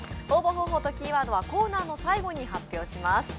応募方法とキーワードはコーナーの最後に発表します。